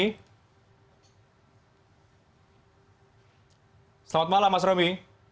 selamat malam mas romi